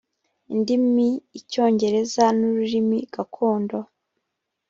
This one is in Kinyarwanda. indimi icyongereza n ururimi gakondo